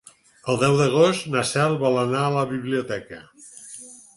El deu d'agost na Cel vol anar a la biblioteca.